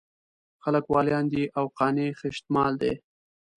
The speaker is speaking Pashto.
خلک واليان دي او قانع خېشت مال دی.